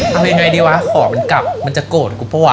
เอาไงดีวะขอมันกลับมันจะโกรธกับกูพ่อ